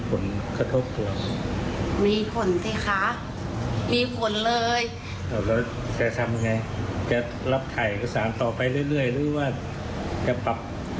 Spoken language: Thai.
ต้องปรับเปลี่ยนดิแต่ยังไม่รู้ว่าทำอะไร